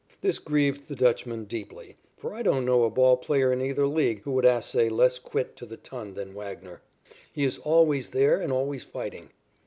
This grieved the Dutchman deeply, for I don't know a ball player in either league who would assay less quit to the ton than Wagner. He is always there and always fighting.